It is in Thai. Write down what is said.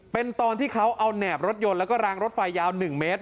เป็นตอนที่เขาเอาแหนบรถยนต์แล้วก็รางรถไฟยาว๑เมตร